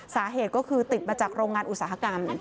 สาเหตุก็คือติดมาจากโรงงานอุตสาหกรรม